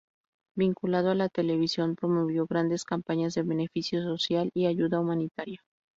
Vinculado a la televisión promovió grandes campañas de beneficio social y ayuda humanitaria.